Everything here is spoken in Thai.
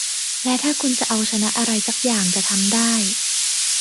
และถ้าคุณจะเอาชนะอะไรสักอย่างจะทำได้